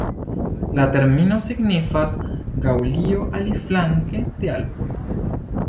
La termino signifas "Gaŭlio aliflanke de Alpoj".